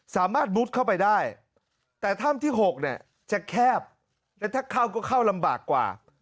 สามารถมุดเข้าไปได้แต่ถ้ำที่๖เนี่ยจะแคบและถ้าเข้าก็เข้าลำบากกว่า